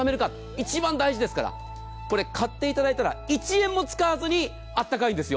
一番大事ですからこれ、買っていただいたら１円も使わずにあったかいんですよ。